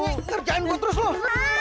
ngerjain gue terus loh